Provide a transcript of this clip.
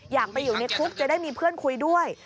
อยากไปอยู่ในคุกจะได้มีเพื่อนคุยด้วย